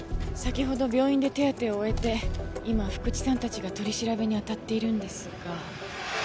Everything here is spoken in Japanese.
先ほど病院で手当てを終えて今福知さんたちが取り調べにあたっているんですが。